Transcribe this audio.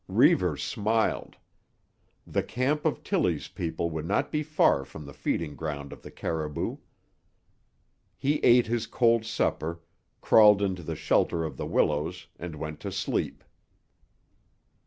Reivers smiled. The camp of Tillie's people would not be far from the feeding ground of the caribou. He ate his cold supper, crawled into the shelter of the willows and went to sleep.